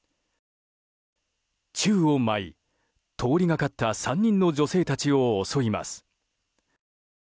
宙を舞い、通りがかった３人の女性たちを襲います。